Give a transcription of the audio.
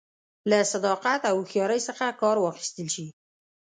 له صداقت او هوښیارۍ څخه کار واخیستل شي